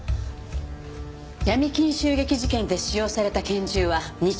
闇金襲撃事件で使用された拳銃は２丁。